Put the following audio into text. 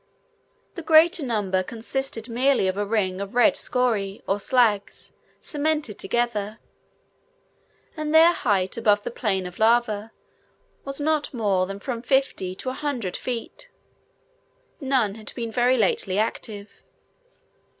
The greater number consisted merely of a ring of red scoriae or slags, cemented together: and their height above the plain of lava was not more than from fifty to a hundred feet; none had been very lately active.